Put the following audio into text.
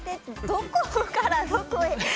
どこからどこへ？